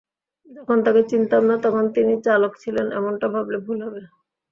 যখন তাঁকে চিনতাম না, তখন তিনি চালাক ছিলেন, এমনটা ভাবলে ভুল হবে।